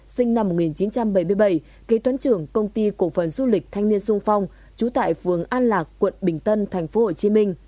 nguyễn thị nguyên sinh năm một nghìn chín trăm bảy mươi bảy kế toán trường công ty cổ phận du lịch thanh niên xuân phong trú tại phường an lạc quận bình tân tp hcm